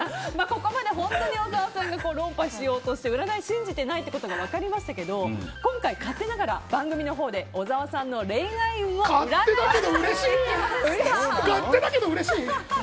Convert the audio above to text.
ここまで本当に小沢さんが論破しようとしてて占い信じてないってことが分かりましたけど今回、勝手ながら番組のほうで小沢さんの恋愛運を勝手だけどうれしい！